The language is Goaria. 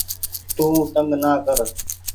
تو تنگ نآ ڪر